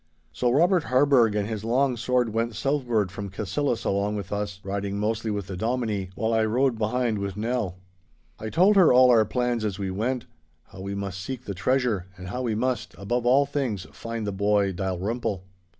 So Robert Harburgh and his long sword went southward from Cassillis along with us, riding mostly with the Dominie, while I rode behind with Nell. I told her all our plans as we went. How we must seek the treasure; and how we must, above all things, find the boy Dalrymple.